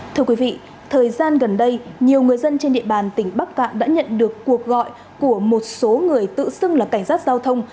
thưa quý vị thời gian gần đây nhiều người dân trên địa bàn tỉnh bắc cạn đã nhận được cuộc gọi của một số người tự xưng là cảnh sát giao thông